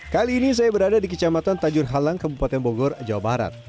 kali ini saya berada di kecamatan tajurhalang kebupaten bogor jawa barat